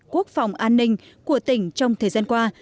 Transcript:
quốc phòng an ninh của tỉnh trong thời gian qua